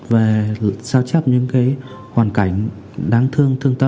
và sao chép những hoàn cảnh đáng thương thương thương